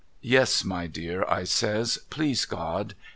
' Yes my dear,' I says. ' Please God